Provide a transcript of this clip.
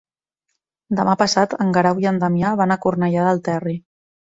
Demà passat en Guerau i en Damià van a Cornellà del Terri.